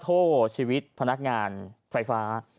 โทษชีวิตพนักงานไฟฟ้า